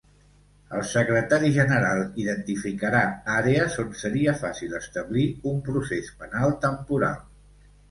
El secretari general identificarà àrees on seria fàcil establir un procés penal temporal.